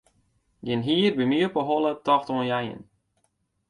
Gjin hier by my op 'e holle tocht oan jeien.